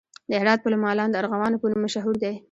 د هرات پل مالان د ارغوانو په نوم مشهور دی